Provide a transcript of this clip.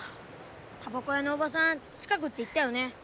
たばこ屋のおばさん近くって言ったよね。